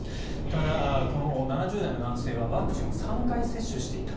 ただ、この７０代の男性はワクチンを３回接種していた。